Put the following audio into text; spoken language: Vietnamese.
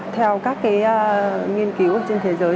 theo các nghiên cứu trên thế giới